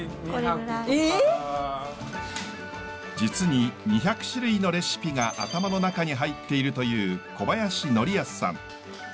実に２００種類のレシピが頭の中に入っているという小林範恭さん。